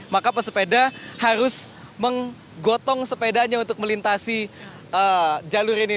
maka pesepeda harus menggotong sepedanya untuk melintasi jalur ini